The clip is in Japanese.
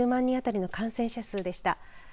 人あたりの感染者数でした。